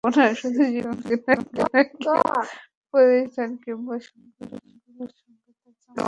শুধু শিল্পীদের সঙ্গেই নয়, প্রতিষ্ঠান কিংবা সংগঠনগুলোর সঙ্গেও তাঁর চমৎকার সম্পর্ক।